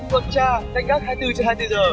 quận tra đánh gác hai mươi bốn h hai mươi bốn h